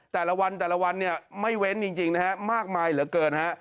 แต่ละวันเนี่ยไม่เว้นจริงนะฮะมากมายเหลือเกินนะฮะ